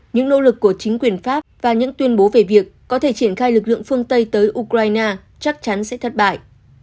những nỗ lực của chính quyền pháp và những tuyên bố về việc có thể triển khai lực lượng phương tây tới ukraine chắc chắn sẽ thất bại